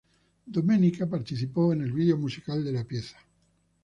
Domenica participó en el video musical de la pieza.